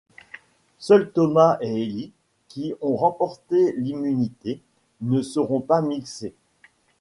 Seul Thomas et Élie, qui ont remporté l'immunité, ne seront pas mixés.